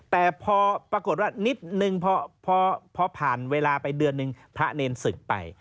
แต่พอปรากฏว่านิดนึงพอผ่านเวลาไปเดือนนึงพระเนรศึกไป